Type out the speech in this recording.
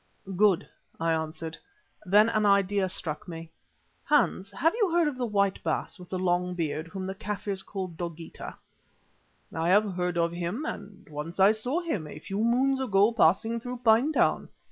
"Good," I answered. Then an idea struck me. "Hans, you have heard of the white Baas with the long beard whom the Kaffirs call Dogeetah?" "I have heard of him and once I saw him, a few moons ago passing through Pinetown.